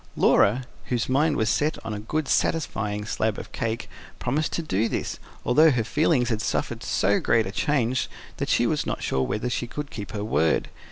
Laura, whose mind was set on a good, satisfying slab of cake, promised to do this, although her feelings had suffered so great a change that she was not sure whether she would keep her word.